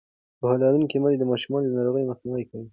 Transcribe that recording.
پوهه لرونکې میندې د ماشومانو د ناروغۍ مخنیوی کوي.